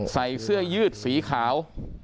ใส่เสื้อยืดสีขาว